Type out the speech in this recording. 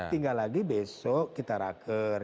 tinggal lagi besok kita raker